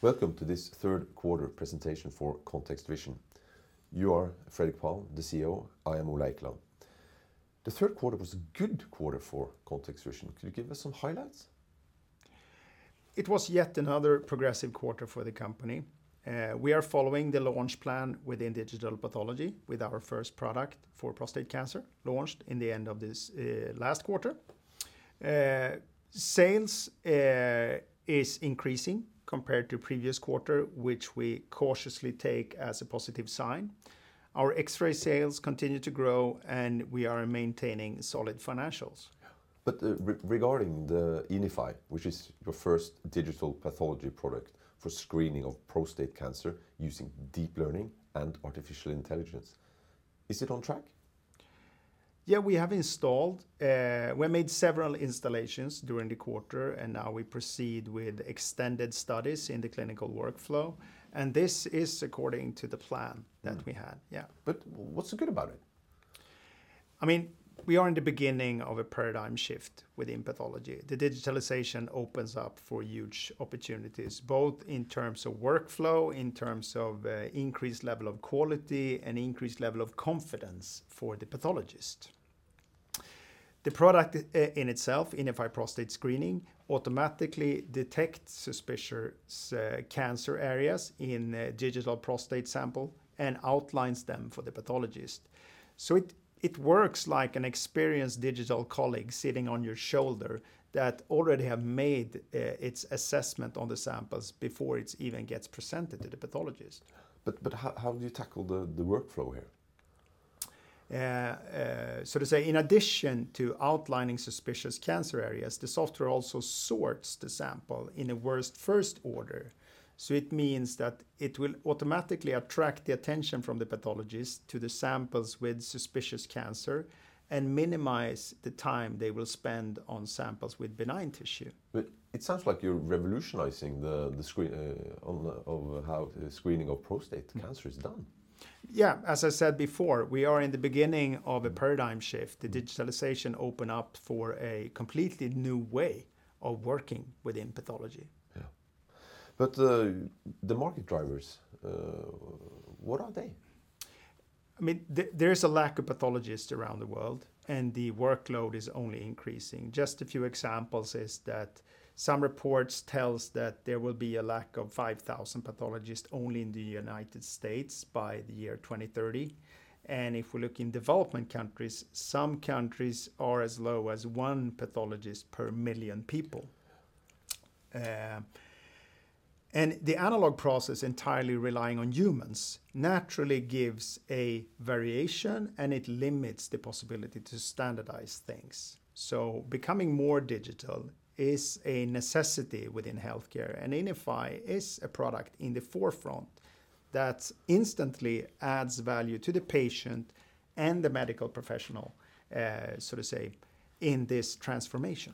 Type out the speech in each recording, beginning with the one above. Welcome to this Q3 presentation for ContextVision. You are Fredrik Palm, the CEO. I am Ola Eklund. The Q3 was a good quarter for ContextVision. Could you give us some highlights? It was yet another progressive quarter for the company. We are following the launch plan within digital pathology with our first product for prostate cancer, launched in the end of this last quarter. Sales is increasing compared to previous quarter, which we cautiously take as a positive sign. Our X-ray sales continue to grow, and we are maintaining solid financials. Yeah. Regarding the INIFY, which is your first digital pathology product for screening of prostate cancer using deep learning and artificial intelligence, is it on track? Yeah, we have installed. We made several installations during the quarter. Now we proceed with extended studies in the clinical workflow. This is according to the plan that we had. Yeah. What's so good about it? We are in the beginning of a paradigm shift within pathology. The digitalization opens up for huge opportunities, both in terms of workflow, in terms of increased level of quality, and increased level of confidence for the pathologist. The product in itself, INIFY® Prostate Screening, automatically detects suspicious cancer areas in digital prostate sample and outlines them for the pathologist. It works like an experienced digital colleague sitting on your shoulder that already have made its assessment on the samples before it even gets presented to the pathologist. How do you tackle the workflow here? To say, in addition to outlining suspicious cancer areas, the software also sorts the sample in a worst first order. It means that it will automatically attract the attention from the pathologist to the samples with suspicious cancer and minimize the time they will spend on samples with benign tissue. It sounds like you're revolutionizing of how the screening of prostate cancer is done. Yeah. As I said before, we are in the beginning of a paradigm shift. The digitalization open up for a completely new way of working within pathology. Yeah. The market drivers, what are they? There's a lack of pathologists around the world. The workload is only increasing. Just a few examples is that some reports tells that there will be a lack of 5,000 pathologists only in the United States by the year 2030. If we look in development countries, some countries are as low as one pathologist per million people. Yeah. The analog process entirely relying on humans naturally gives a variation, and it limits the possibility to standardize things. Becoming more digital is a necessity within healthcare, and INIFY is a product in the forefront that instantly adds value to the patient and the medical professional, so to say, in this transformation.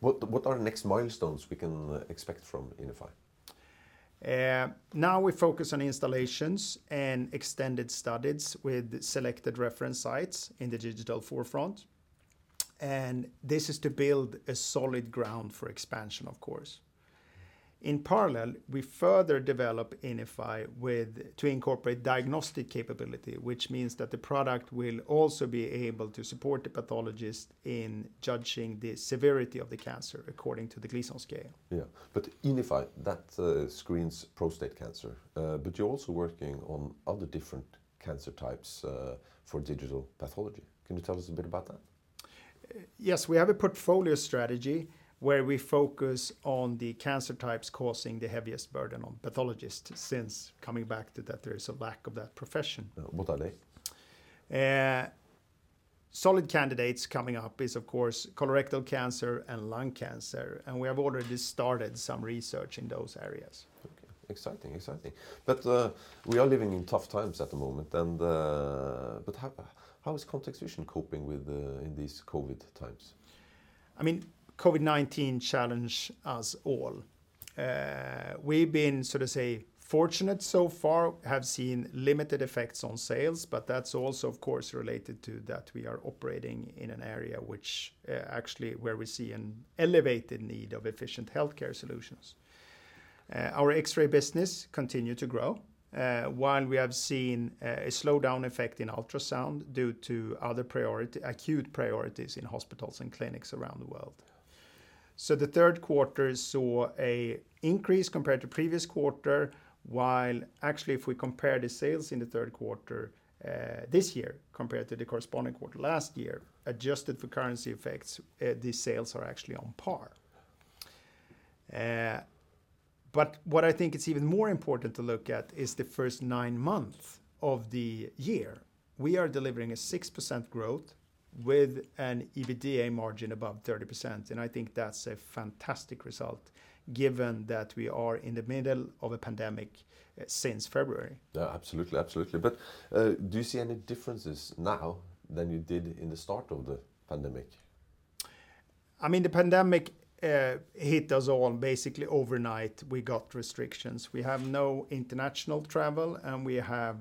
What are next milestones we can expect from INIFY? Now we focus on installations and extended studies with selected reference sites in the digital forefront. This is to build a solid ground for expansion, of course. In parallel, we further develop INIFY to incorporate diagnostic capability, which means that the product will also be able to support the pathologist in judging the severity of the cancer according to the Gleason score. Yeah. INIFY, that screens prostate cancer. You're also working on other different cancer types, for digital pathology. Can you tell us a bit about that? Yes, we have a portfolio strategy where we focus on the cancer types causing the heaviest burden on pathologists since coming back to that there is a lack of that profession. What are they? Solid candidates coming up is, of course, colorectal cancer and lung cancer, and we have already started some research in those areas. Okay. Exciting. We are living in tough times at the moment. How is ContextVision coping in these COVID times? COVID-19 challenge us all. We've been, so to say, fortunate so far, have seen limited effects on sales, but that's also, of course, related to that we are operating in an area which actually where we see an elevated need of efficient healthcare solutions. Our X-ray business continue to grow, while we have seen a slowdown effect in ultrasound due to other acute priorities in hospitals and clinics around the world. Yeah. The Q3 saw a increase compared to previous quarter, while actually, if we compare the sales in the Q3 this year compared to the corresponding quarter last year, adjusted for currency effects, the sales are actually on par. Yeah. What I think is even more important to look at is the first nine month of the year. We are delivering a 6% growth with an EBITDA margin above 30%. I think that's a fantastic result given that we are in the middle of a pandemic since February. Yeah. Absolutely. Do you see any differences now than you did in the start of the pandemic? The pandemic hit us all basically overnight. We got restrictions. We have no international travel, and we have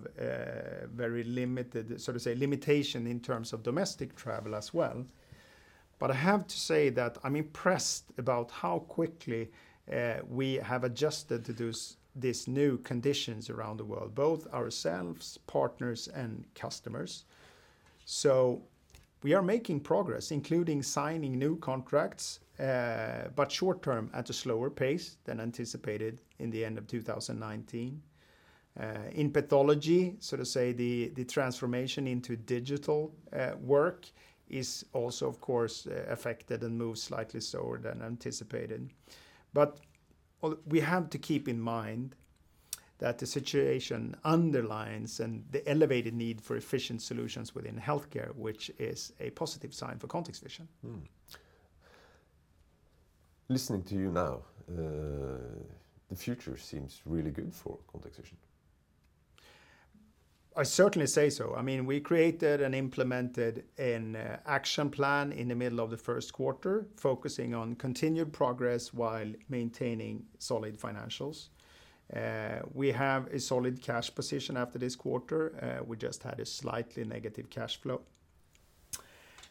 very limited, so to say, limitation in terms of domestic travel as well. I have to say that I'm impressed about how quickly we have adjusted to these new conditions around the world, both ourselves, partners, and customers. We are making progress, including signing new contracts. Short-term, at a slower pace than anticipated in the end of 2019. In pathology, so to say, the transformation into digital work is also, of course, affected and moves slightly slower than anticipated. We have to keep in mind that the situation underlines and the elevated need for efficient solutions within healthcare, which is a positive sign for ContextVision. Mm-hmm. Listening to you now, the future seems really good for ContextVision. I certainly say so. We created and implemented an action plan in the middle of the Q1, focusing on continued progress while maintaining solid financials. We have a solid cash position after this quarter. We just had a slightly negative cash flow.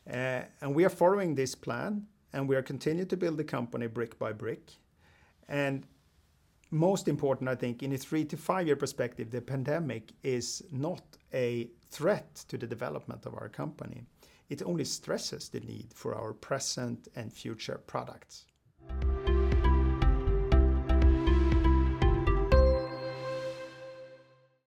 We are following this plan, and we are continuing to build the company brick by brick. Most important, I think, in a three to five-year perspective, the pandemic is not a threat to the development of our company. It only stresses the need for our present and future products.